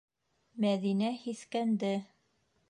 Мәҙинә һиҫкәнде.